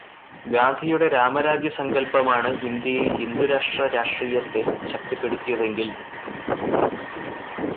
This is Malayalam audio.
ഗാന്ധിയുടെ രാമരാജ്യസങ്കല്പമാണ് ഇന്ത്യയില് ഹിന്ദുരാഷ്ട്ര രാഷ്ട്രീയത്തെ ശക്തിപ്പെടുത്തിയതെങ്കില്